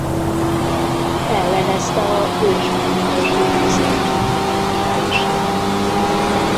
Ellenezte a Bős–nagymarosi vízlépcső megépítését.